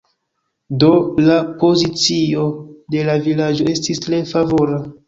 Do, la pozicio de la vilaĝo estis tre favora.